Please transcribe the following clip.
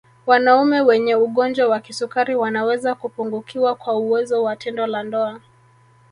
Wanaume wenye ugonjwa wa kisukari wanaweza kupungukiwa kwa uwezo wa tendo la ndoa